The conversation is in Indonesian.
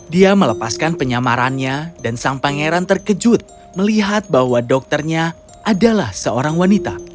dia melepaskan penyamarannya dan sang pangeran terkejut melihat bahwa dokternya adalah seorang wanita